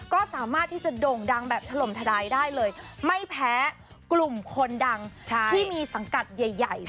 ก็สามารถที่จะโด่งดังแบบถล่มทลายได้เลยไม่แพ้กลุ่มคนดังที่มีสังกัดใหญ่